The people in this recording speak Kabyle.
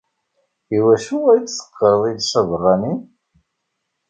I wacu ay teqqareḍ iles abeṛṛani?